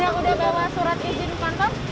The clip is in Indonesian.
sudah membawa surat izin ke kantor